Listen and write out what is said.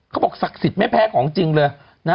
เขาบอกศักดิ์สิทธิ์ไม่แพ้ของจริงเลย